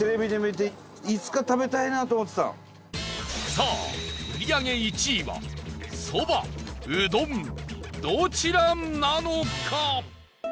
さあ、売り上げ１位はそば、うどん、どちらなのか？